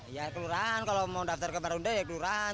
ya kelurahan kalau mau daftar ke marunda ya kelurahan